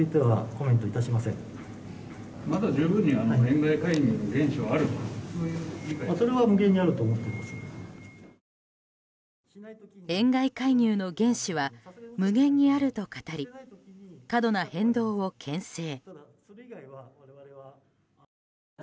円買い介入の原資は無限にあると語り過度な変動を牽制。